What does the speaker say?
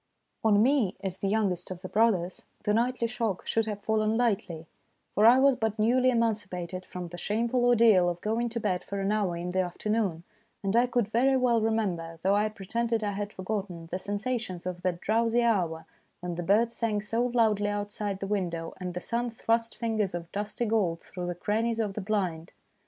On me, as the youngest of the brothers, the nightly shock should have fallen lightly ; for I was but newly emancipated from the shameful ordeal of going to bed for an hour in the afternoon, and I could very well remember, though I pretended I had for 140 THE DAY BEFORE YESTERDAY gotten, the sensations of that drowsy hour, when the birds sang so loudly outside the window and the sun thrust fingers of dusty gold through the crannies of the blind.